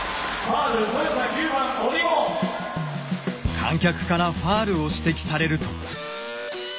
観客からファールを指摘されると。